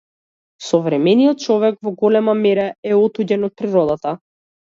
Современиот човек во голема мера е отуѓен од природата.